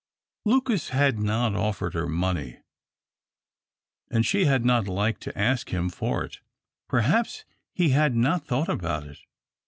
Lucas had not offered her money, and she had not liked to ask him for it. Perhaps he had not thought about it.